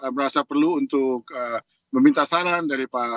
merasa perlu untuk meminta saran dari pak